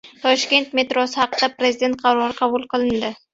Toshkent metrosi haqida Prezident qarori qabul qilindi